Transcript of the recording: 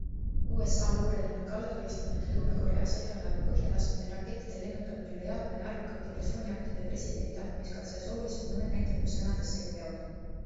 USA luurelennuki allatulistamine, Lõuna-Korea sõjalaeva põhjalaskmine, rakettide lennutamine üle Jaapani, arvukad diversiooniaktid ja presidendi tapmiskatse Soulis on mõned näited, kui sõnadest said teod.